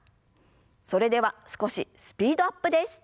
それでは少しスピードアップです。